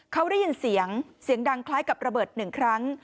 เขาได้ยินเสียงเสียงดังคล้ายกับระเบิดหนึ่งครั้ง